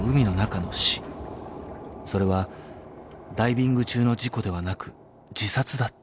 ［それはダイビング中の事故ではなく自殺だった］